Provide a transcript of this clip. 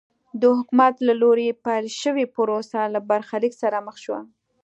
د حکومت له لوري پیل شوې پروسه له برخلیک سره مخ شوه.